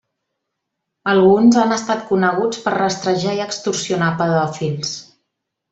Alguns han estat coneguts per rastrejar i extorsionar pedòfils.